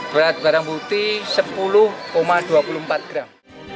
berat barang bukti sepuluh dua puluh empat gram